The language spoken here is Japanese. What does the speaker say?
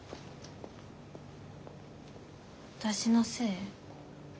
私のせい？